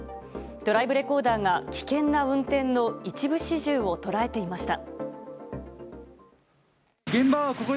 ドライブレコーダーが危険な運転の一部始終を捉えていました。